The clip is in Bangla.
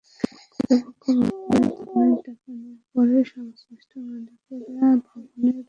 কর্তৃপক্ষ বলছে, ক্ষতিপূরণের টাকা নেওয়ার পরও সংশ্লিষ্ট মালিকেরা ভবনের অংশবিশেষ ভাঙছেন না।